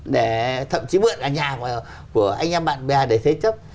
để thậm chí mượn ở nhà của anh em bạn bè để thế chấp